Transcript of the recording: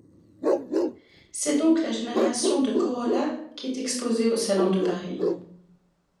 C'est donc la génération de Corolla qui est exposée au salon de Paris.